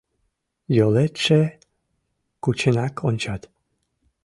— Йолетше?.. — кученак ончат.